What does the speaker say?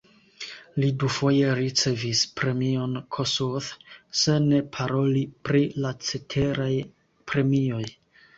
Li dufoje ricevis premion Kossuth, se ne paroli pri la ceteraj premioj.